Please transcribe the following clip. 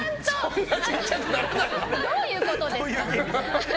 どういうことですか？